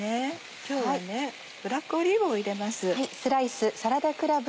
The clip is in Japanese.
今日はブラックオリーブを入れます。